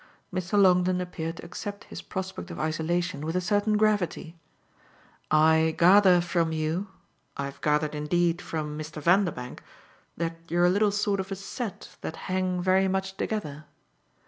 Mr. Longdon appeared to accept his prospect of isolation with a certain gravity. "I gather from you I've gathered indeed from Mr. Vanderbank that you're a little sort of a set that hang very much together."